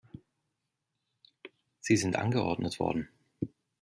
Sie sind angeordnet worden.